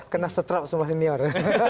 kena setrap semua senior